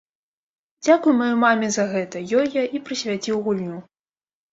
Дзякуй маёй маме за гэта, ёй я і прысвяціў гульню.